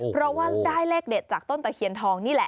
เพราะว่าได้เลขเด็ดจากต้นตะเคียนทองนี่แหละ